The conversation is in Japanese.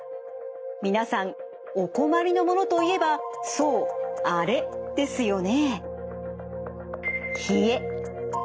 皆さんお困りのものといえばそうあれですよね。